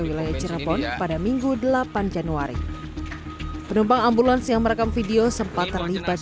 wilayah cirebon pada minggu delapan januari penumpang ambulans yang merekam video sempat terlibat